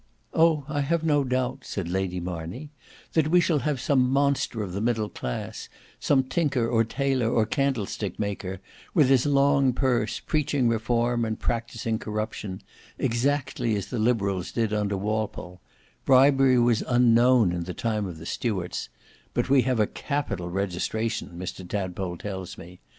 "Oh! I have no doubt," said Lady Marney, "that we shall have some monster of the middle class, some tinker or tailor, or candlestick maker, with his long purse, preaching reform and practising corruption: exactly as the liberals did under Walpole: bribery was unknown in the time of the Stuarts; but we have a capital registration, Mr Tadpole tells me.